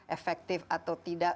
efektif atau tidak